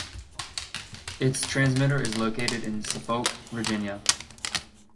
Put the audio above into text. Its transmitter is located in Suffolk, Virginia.